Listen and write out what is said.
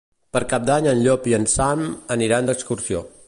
Per Cap d'Any en Llop i en Sam aniran d'excursió.